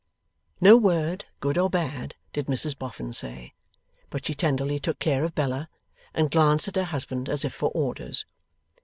No word, good or bad, did Mrs Boffin say; but she tenderly took care of Bella, and glanced at her husband as if for orders.